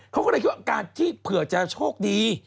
เขาก็เลยคิดว่าการที่เผื่อจะโชคดี